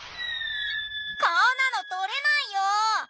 こんなの捕れないよ。